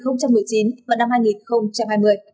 năm hai nghìn một mươi chín và năm hai nghìn hai mươi